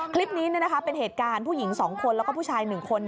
คลิปนี้เป็นเหตุการณ์ผู้หญิง๒คนแล้วก็ผู้ชาย๑คน